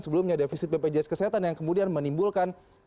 sebelumnya defisit bpjs kesehatan yang kemudian menimbulkan